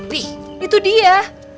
wih itu dia